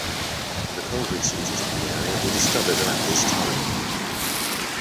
The coal resources of the area were discovered around this time.